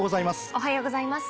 おはようございます。